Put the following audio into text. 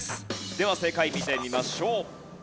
では正解見てみましょう。